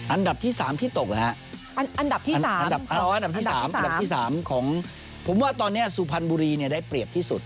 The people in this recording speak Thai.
อันดับที่๓ที่ตกนะฮะอันดับที่๓ของผมว่าตอนนี้สุพรรณบุรีได้เปรียบที่สุด